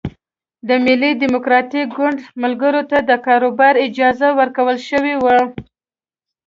د ملي ډیموکراتیک ګوند ملګرو ته د کاروبار اجازه ورکړل شوې وه.